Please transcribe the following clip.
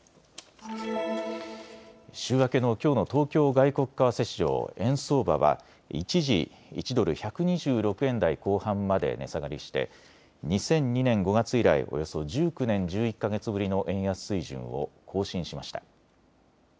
週明けのきょうの東京外国為替市場円相場は一時１ドル１２６円台後半まで値下がりして２００２年５月以来およそ１９年１１か月ぶりの円安水準を更新しました。